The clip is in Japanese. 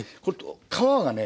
皮がね